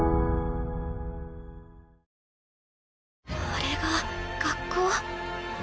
あれが学校。